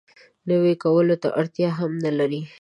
نوي کولو ته اړتیا هم نه لري.